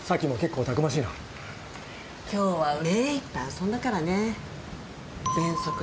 今日は目いっぱい遊んだからね。